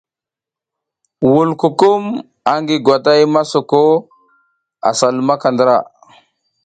Wulkukum angi gwatay masoko sa lumam ndra.